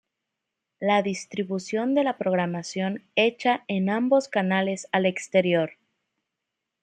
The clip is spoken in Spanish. La distribución de la programación hecha en ambos canales al exterior.